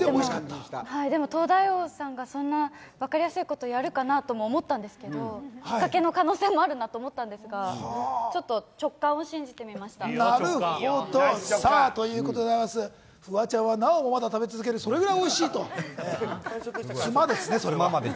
「東大王」さんがそんな分かりやすいことやるかなと思ったんですが、ひっかけの可能性もあるなと思ったんですが、直感を信じてみましたということでございます、フワちゃんはなおも食べ続けると、それぐらいおいしいと、ツマですね、それは。